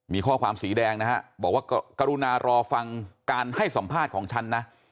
มีข้อความสีแดงนะฮะบอกว่ากรุณารอฟังการให้สัมภาษณ์ของฉันนะ